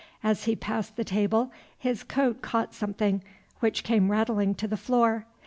As he passed the table, his coat caught something, which came rattling to the floor.